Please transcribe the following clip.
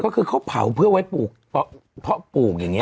ก็คือเขาเผาเพื่อไว้ปลูกเพาะปลูกอย่างนี้